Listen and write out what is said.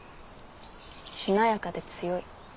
しなやかで強い。